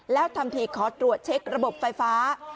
แล้วทำทีขอตรวจเช็คระบบไฟฟ้า